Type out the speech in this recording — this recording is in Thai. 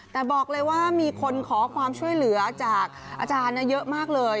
แต่บอกเลยว่ามีคนขอความช่วยเหลือจากอาจารย์เยอะมากเลย